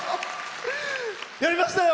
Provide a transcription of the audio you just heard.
やりましたよ！